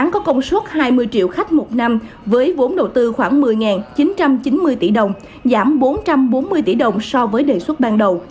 có công suất hai mươi triệu khách một năm với vốn đầu tư khoảng một mươi chín trăm chín mươi tỷ đồng giảm bốn trăm bốn mươi tỷ đồng so với đề xuất ban đầu